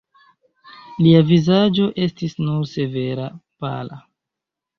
Lia vizaĝo estis nun severa, pala.